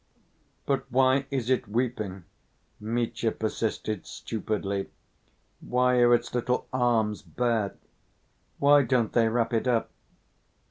"But why is it weeping?" Mitya persisted stupidly, "why are its little arms bare? Why don't they wrap it up?"